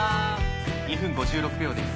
２分５６秒です。